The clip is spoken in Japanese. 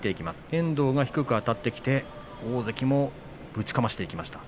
遠藤が低くあたってきて大関もぶちかましていきました。